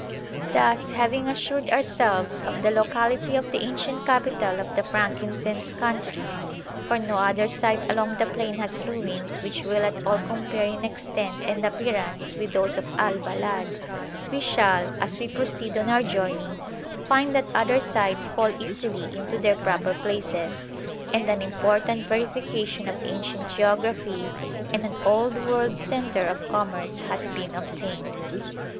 Thus, having assured ourselves of the locality of the ancient capital of the frankincense country for no other site along the plain has ruins which will at all compare in extent and appearance with those of Al Balad we shall, as we proceed on our journey, find that other sites fall easily into their proper places, and an important verification of ancient geography and an old world centre of commerce has been obtained.